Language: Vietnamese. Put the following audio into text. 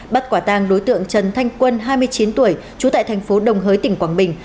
bắt quả tàng đối tượng trần thanh quân hai mươi chín tuổi trú tại thành phố đồng hới tỉnh quảng bình